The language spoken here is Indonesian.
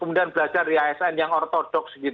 kemudian belajar di asn yang ortodoks